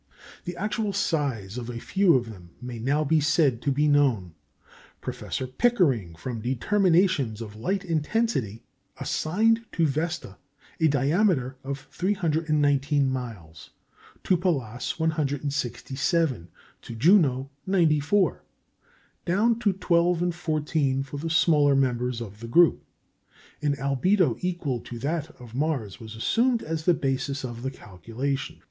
The actual size of a few of them may now be said to be known. Professor Pickering, from determinations of light intensity, assigned to Vesta a diameter of 319 miles, to Pallas 167, to Juno 94, down to twelve and fourteen for the smaller members of the group. An albedo equal to that of Mars was assumed as the basis of the calculation.